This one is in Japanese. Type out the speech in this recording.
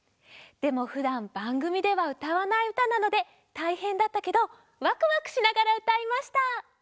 でもふだんばんぐみではうたわないうたなのでたいへんだったけどわくわくしながらうたいました。